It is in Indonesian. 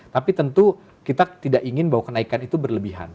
tapi tentu kita tidak ingin bahwa kenaikan itu berlebihan